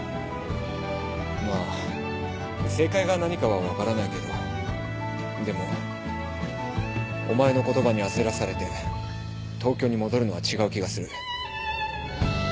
まあ正解が何かは分からないけどでもお前の言葉に焦らされて東京に戻るのは違う気がする。